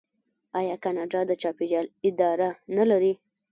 آیا کاناډا د چاپیریال اداره نلري؟